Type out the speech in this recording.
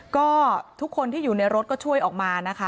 ก็ทุกคนที่อยู่ในรถก็ช่วยออกมานะคะ